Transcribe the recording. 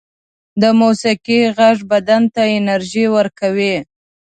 د موسيقۍ غږ بدن ته انرژی ورکوي